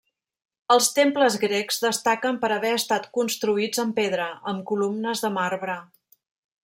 Els temples grecs destaquen per haver estat construïts en pedra, amb columnes de marbre.